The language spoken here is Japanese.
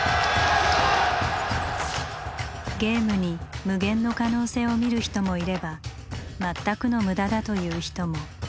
ゲームに無限の可能性を見る人もいれば全くの無駄だという人も。